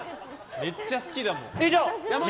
めっちゃ好きだもん。